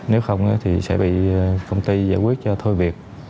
nếu không thì sẽ bị công ty giải quyết cho thôi việc